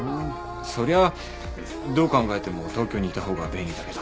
そりゃどう考えても東京にいた方が便利だけど。